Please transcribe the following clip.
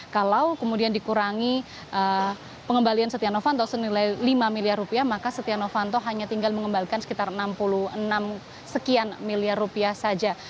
kalau kemudian dikurangi pengembalian setia novanto senilai lima miliar rupiah maka setia novanto hanya tinggal mengembalikan sekitar enam puluh enam sekian miliar rupiah saja